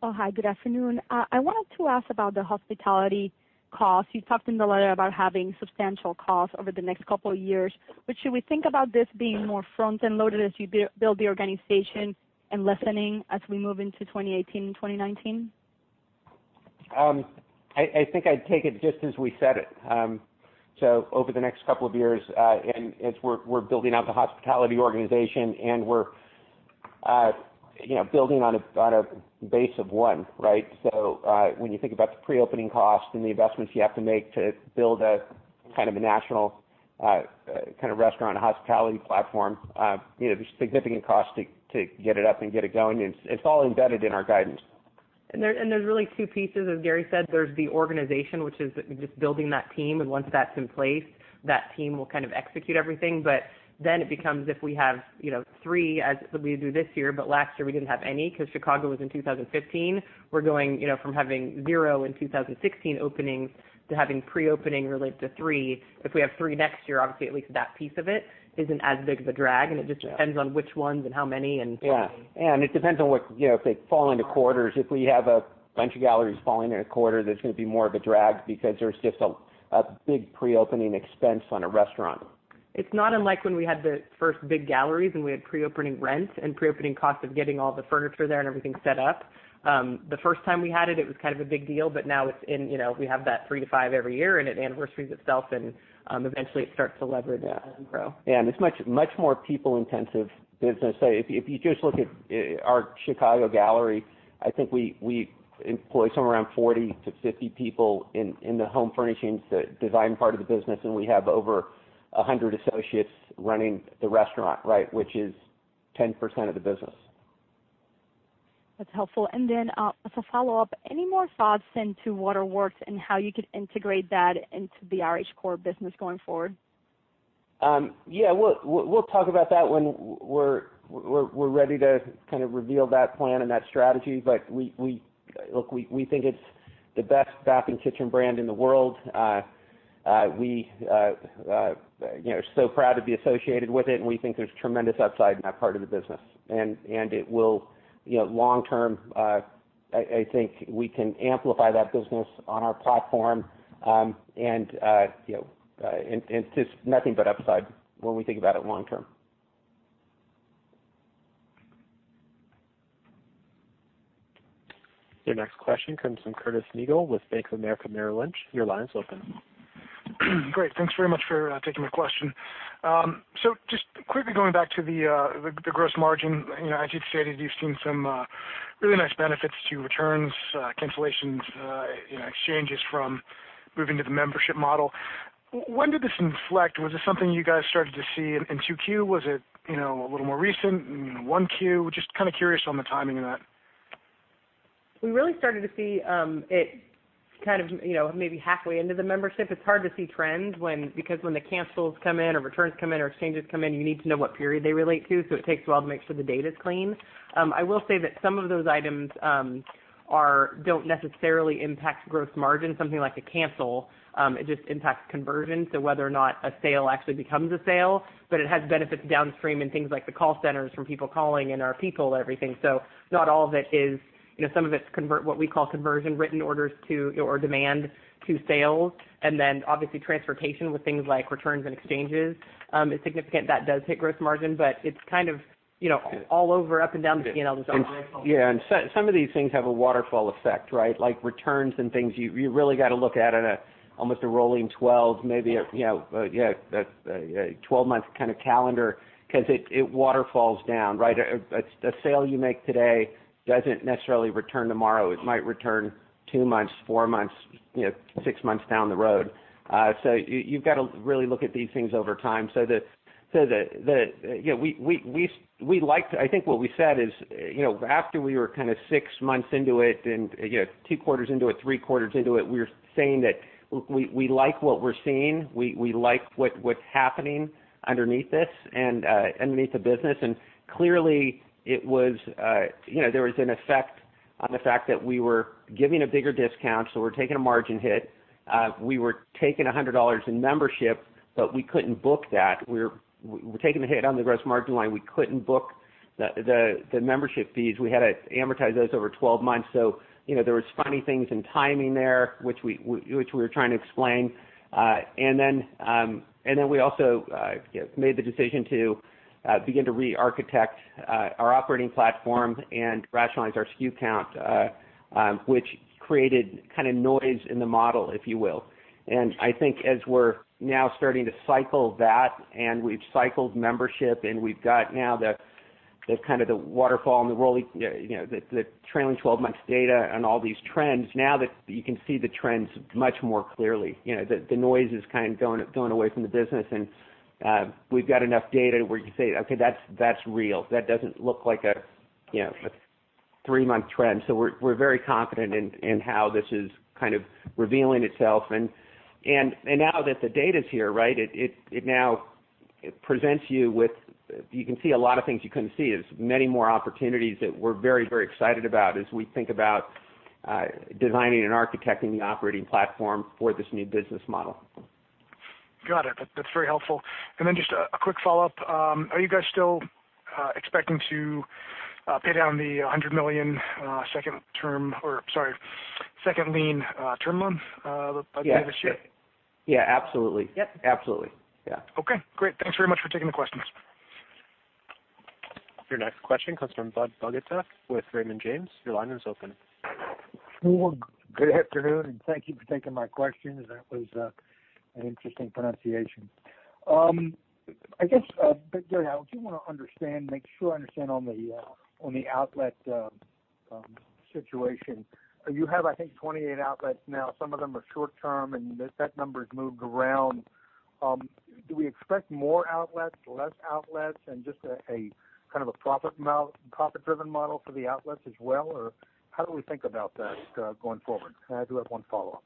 Well, hi, good afternoon. I wanted to ask about the hospitality costs. You talked in the letter about having substantial costs over the next couple of years, should we think about this being more front-end loaded as you build the organization and lessening as we move into 2018 and 2019? I think I'd take it just as we said it. Over the next couple of years, as we're building out the hospitality organization and we're building on a base of one, right? When you think about the pre-opening costs and the investments you have to make to build a national kind of restaurant hospitality platform, there's significant cost to get it up and get it going, it's all embedded in our guidance. There's really two pieces, as Gary said. There's the organization, which is just building that team, and once that's in place, that team will kind of execute everything. It becomes if we have three as we do this year, but last year we didn't have any because Chicago was in 2015. We're going from having zero in 2016 openings to having pre-opening related to three. If we have three next year, obviously at least that piece of it isn't as big of a drag, it just depends on which ones and how many. Yeah. It depends on if they fall into quarters. If we have a bunch of galleries falling in a quarter, that's going to be more of a drag because there's just a big pre-opening expense on a restaurant. It's not unlike when we had the first big galleries and we had pre-opening rents and pre-opening cost of getting all the furniture there and everything set up. The first time we had it was kind of a big deal, but now we have that 3-5 every year, and it anniversaries itself, eventually it starts to lever and grow. Yeah, it's much more people intensive business. If you just look at our Chicago gallery, I think we employ somewhere around 40-50 people in the home furnishings design part of the business, and we have over 100 associates running the restaurant, which is 10% of the business. That's helpful. Then as a follow-up, any more thoughts into Waterworks and how you could integrate that into the RH core business going forward? Yeah, we'll talk about that when we're ready to kind of reveal that plan and that strategy, look, we think it's the best bath and kitchen brand in the world. We are so proud to be associated with it, we think there's tremendous upside in that part of the business. It will, long term, I think we can amplify that business on our platform, it's just nothing but upside when we think about it long term. Your next question comes from Curtis Nagle with Bank of America Merrill Lynch. Your line is open. Great. Thanks very much for taking my question. Just quickly going back to the gross margin. As you've stated, you've seen some really nice benefits to returns, cancellations, exchanges from moving to the membership model. When did this inflect? Was this something you guys started to see in 2Q? Was it a little more recent in 1Q? Just kind of curious on the timing of that. We really started to see it maybe halfway into the membership. It's hard to see trends, because when the cancels come in or returns come in or exchanges come in, you need to know what period they relate to, so it takes a while to make sure the data's clean. I will say that some of those items don't necessarily impact gross margin. Something like a cancel, it just impacts conversion, so whether or not a sale actually becomes a sale, but it has benefits downstream in things like the call centers from people calling and our people, everything. Some of it's what we call conversion, written orders or demand to sales, and then obviously transportation with things like returns and exchanges is significant. That does hit gross margin. It's kind of all over up and down the zone. Yeah. Some of these things have a waterfall effect, right? Like returns and things, you really got to look at it at almost a rolling 12, maybe a 12-month kind of calendar, because it waterfalls down, right? A sale you make today doesn't necessarily return tomorrow. It might return two months, four months, six months down the road. You've got to really look at these things over time. I think what we said is, after we were kind of six months into it and two quarters into it, three quarters into it, we were saying that we like what we're seeing. We like what's happening underneath this and underneath the business. Clearly, there was an effect on the fact that we were giving a bigger discount, so we're taking a margin hit. We were taking $100 in membership, but we couldn't book that. We were taking the hit on the gross margin line. We couldn't book the membership fees. We had to amortize those over 12 months. There was funny things in timing there, which we were trying to explain. We also made the decision to begin to re-architect our operating platform and rationalize our SKU count, which created kind of noise in the model, if you will. I think as we're now starting to cycle that, and we've cycled membership, and we've got now the kind of the waterfall and the trailing 12 months data and all these trends, now you can see the trends much more clearly. The noise is kind of going away from the business, and we've got enough data where you say, "Okay, that's real. That doesn't look like a three-month trend." We're very confident in how this is kind of revealing itself. Now that the data's here, right, you can see a lot of things you couldn't see. There's many more opportunities that we're very excited about as we think about designing and architecting the operating platform for this new business model. Got it. That's very helpful. Just a quick follow-up. Are you guys still expecting to pay down the $100 million second lien term loan by the end of this year? Yeah, absolutely. Yep. Absolutely. Yeah. Okay, great. Thanks very much for taking the questions. Your next question comes from Budd Bugatch with Raymond James. Your line is open. Good afternoon, and thank you for taking my questions. That was an interesting pronunciation. I guess, Gary, I do want to make sure I understand on the outlet situation. You have, I think, 28 outlets now. Some of them are short-term, and that number has moved around. Do we expect more outlets, less outlets, and just a kind of a profit-driven model for the outlets as well, or how do we think about that going forward? I do have one follow-up.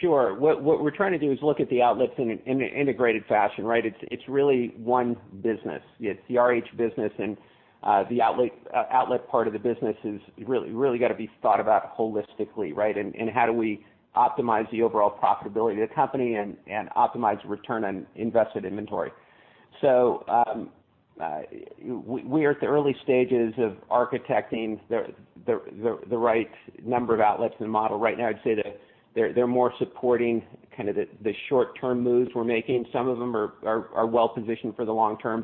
Sure. What we're trying to do is look at the outlets in an integrated fashion, right? It's really one business. It's the RH business and the outlet part of the business has really got to be thought about holistically, right? How do we optimize the overall profitability of the company and optimize return on invested inventory. We are at the early stages of architecting the right number of outlets in the model. Right now, I'd say that they're more supporting kind of the short-term moves we're making. Some of them are well-positioned for the long term.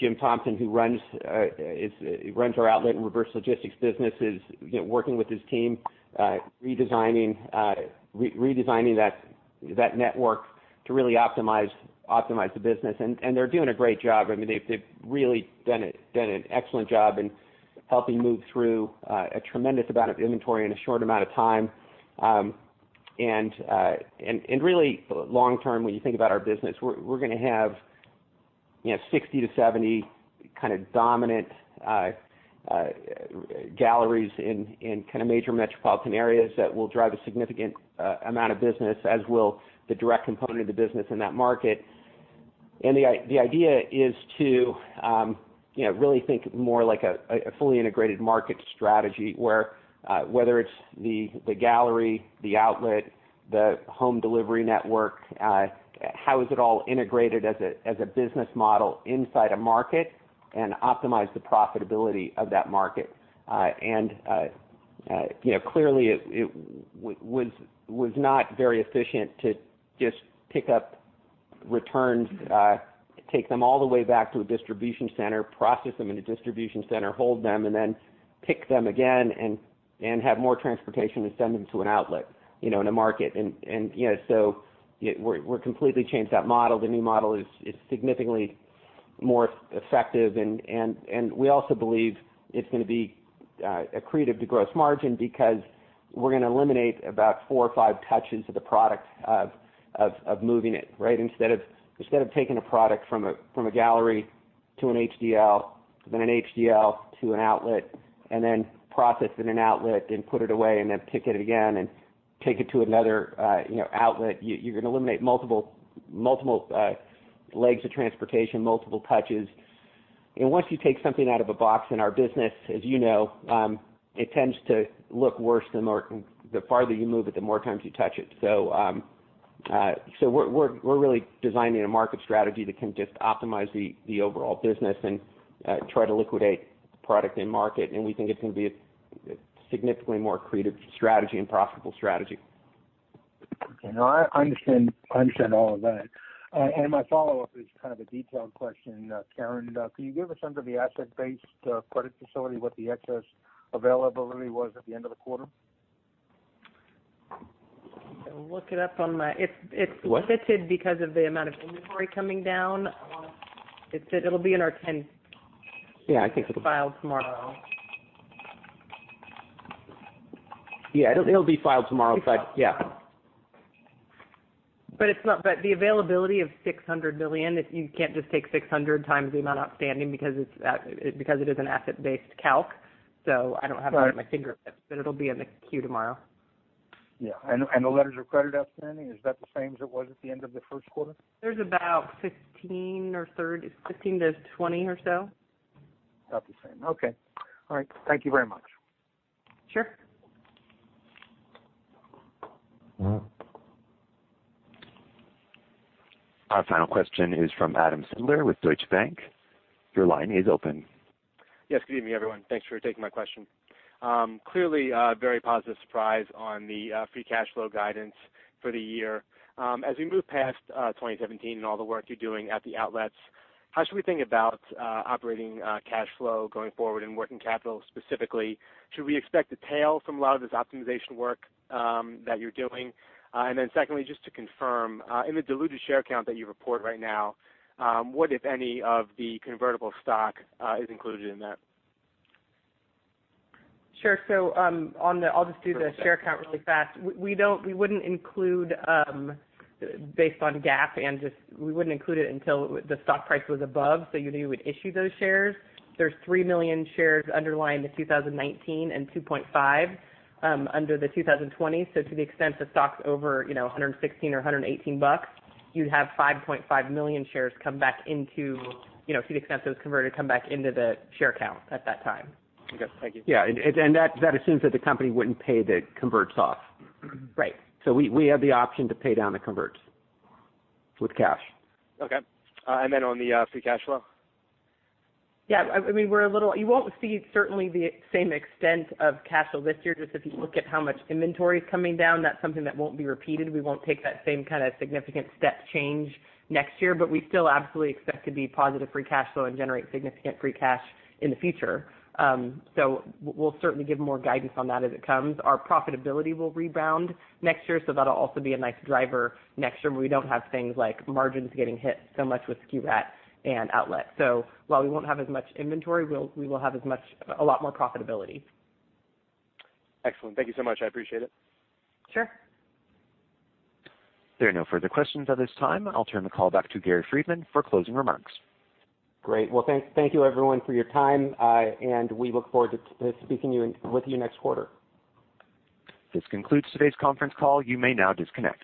Jim Thompson, who runs our outlet and reverse logistics business, is working with his team, redesigning that network to really optimize the business. They're doing a great job. They've really done an excellent job in helping move through a tremendous amount of inventory in a short amount of time. Really, long term, when you think about our business, we're going to have 60 to 70 kind of dominant galleries in major metropolitan areas that will drive a significant amount of business, as will the direct component of the business in that market. The idea is to really think more like a fully integrated market strategy where whether it's the gallery, the outlet, the home delivery network, how is it all integrated as a business model inside a market and optimize the profitability of that market. Clearly, it was not very efficient to just pick up Returns, take them all the way back to a distribution center, process them in a distribution center, hold them, and then pick them again and have more transportation to send them to an outlet in a market. We completely changed that model. The new model is significantly more effective. We also believe it's going to be accretive to gross margin because we're going to eliminate about four or five touches of the product of moving it. Instead of taking a product from a gallery to an HDL, then an HDL to an outlet, and then process in an outlet and put it away, and then pick it again and take it to another outlet. You're going to eliminate multiple legs of transportation, multiple touches. Once you take something out of a box in our business, as you know, it tends to look worse the farther you move it, the more times you touch it. We're really designing a market strategy that can just optimize the overall business and try to liquidate product and market. We think it's going to be a significantly more accretive strategy and profitable strategy. Okay. No, I understand all of that. My follow-up is kind of a detailed question. Karen, can you give us under the asset-based credit facility what the excess availability was at the end of the quarter? I can look it up. What? It's lifted because of the amount of inventory coming down. It'll be in our 10-Q. Yeah, I think it'll. It'll be filed tomorrow. Yeah, it'll be filed tomorrow. Yeah. The availability of $600 million, you can't just take 600 times the amount outstanding because it is an asset-based calc. I don't have it. Right I don't have it at my fingertips, but it'll be in the Q tomorrow. Yeah. The letters of credit outstanding, is that the same as it was at the end of the first quarter? There's about 15 to 20 or so. About the same. Okay. All right. Thank you very much. Sure. Our final question is from Adam Schindler with Deutsche Bank. Your line is open. Yes. Good evening, everyone. Thanks for taking my question. Clearly, a very positive surprise on the free cash flow guidance for the year. As we move past 2017 and all the work you're doing at the outlets, how should we think about operating cash flow going forward and working capital specifically? Should we expect a tail from a lot of this optimization work that you're doing? Secondly, just to confirm, in the diluted share count that you report right now, what, if any, of the convertible stock is included in that? Sure. I'll just do the share count really fast. We wouldn't include based on GAAP, and we wouldn't include it until the stock price was above, so you would issue those shares. There's 3 million shares underlying the 2019 and 2.5 under the 2020. To the extent the stock's over $116 or $118, you'd have 5.5 million shares come back into, to the extent those converted, come back into the share count at that time. Okay. Thank you. Yeah. That assumes that the company wouldn't pay the converts off. Right. We have the option to pay down the converts with cash. Okay. Then on the free cash flow? Yeah. You won't see certainly the same extent of cash flow this year, just if you look at how much inventory is coming down. That's something that won't be repeated. We won't take that same kind of significant step change next year, we still absolutely expect to be positive free cash flow and generate significant free cash in the future. We'll certainly give more guidance on that as it comes. Our profitability will rebound next year, that'll also be a nice driver next year, where we don't have things like margins getting hit so much with SKU rationalization and outlet. While we won't have as much inventory, we will have a lot more profitability. Excellent. Thank you so much. I appreciate it. Sure. There are no further questions at this time. I'll turn the call back to Gary Friedman for closing remarks. Great. Well, thank you everyone for your time, and we look forward to speaking with you next quarter. This concludes today's conference call. You may now disconnect.